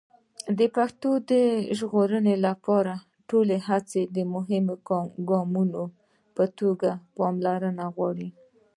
د پښتو د ژغورنې لپاره ټولې هڅې د مهمو ګامونو په توګه پاملرنه غواړي.